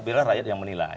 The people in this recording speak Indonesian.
biarlah rakyat yang menilai